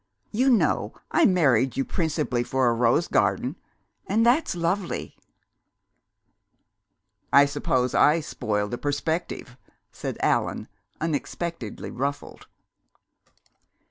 "You know, I married you principally for a rose garden, and that's lovely!" "I suppose I spoil the perspective," said Allan, unexpectedly ruffled.